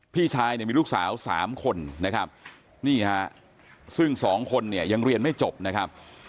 พี่ชายมีลูกสาวสามคนนะครับซึ่งสองคนยังเรียนไม่จบนะครับ